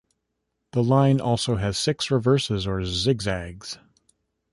The line also has six reverses or zig-zags.